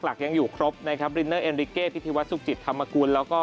มานั่งดูสนามนี้แหละ